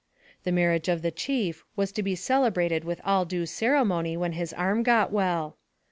The marriage of the chief was to be celebrated with all due ceremony when his arm got well.